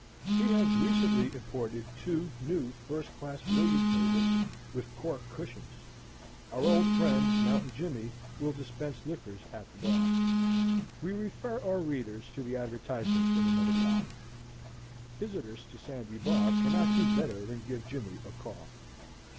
He has recently imported two new, first class billiard tables, with cork cushions. Our old friend, 'Mountain Jimmy,' will dispense liquors at the bar. We refer our readers to the advertisement in another column. Visitors to Sandy Bar cannot do better than give 'Jimmy' a call."